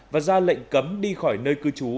và ra lệnh cấm đi khỏi nơi cư trú